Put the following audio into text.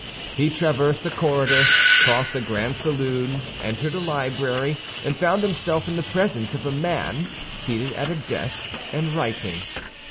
He traversed a corridor, crossed a grand saloon, entered a library, and found himself in the presence of a man seated at a desk and writing.